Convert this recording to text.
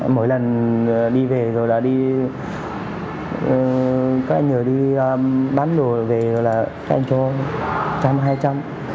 mỗi lần đi về rồi là đi các anh nhờ đi bán đồ về rồi là các anh cho một trăm linh hai trăm linh